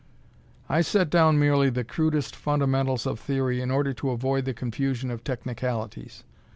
I set down merely the crudest fundamentals of theory in order to avoid the confusion of technicalities.